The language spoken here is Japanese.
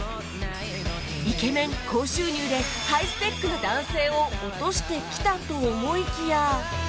イケメン高収入でハイスペックな男性を落としてきたと思いきや